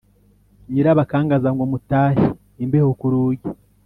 Nyirabakangaza ngo mutahe:Imbeho ku rugi